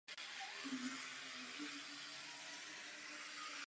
Následující den byl na Těšínsku zahájen nábor dobrovolníků.